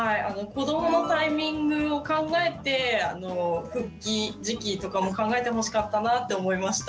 子どものタイミングを考えて復帰時期とかも考えてほしかったなって思いました。